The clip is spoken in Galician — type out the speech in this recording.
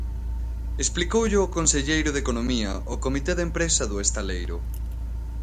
Explicoullo o conselleiro de Economía ao comité de empresa do estaleiro.